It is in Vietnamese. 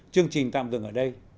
chương trình tạm dừng ở đây